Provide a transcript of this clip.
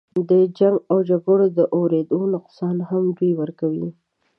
د جنګ و جګړو د اودرېدو نقصان هم دوی ورکوي.